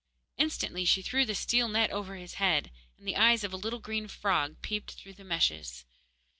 Instantly she threw the steel net over his head, and the eyes of a little green frog peeped through the meshes.